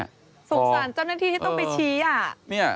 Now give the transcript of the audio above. สงสารเจ้าหน้าที่ที่ต้องไปชี้อ่ะ